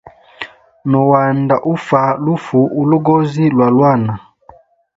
No anda ufa lufu ulugozi lwa lwana.